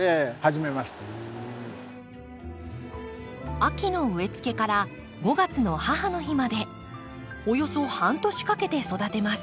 秋の植えつけから５月の母の日までおよそ半年かけて育てます。